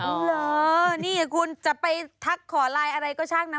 เหรอนี่คุณจะไปทักขอไลน์อะไรก็ช่างนะ